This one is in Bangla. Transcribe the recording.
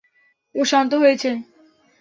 ও শান্ত হয়েছে?